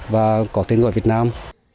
và có tên gọi việt nam